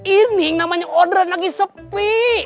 ini namanya odran lagi sepi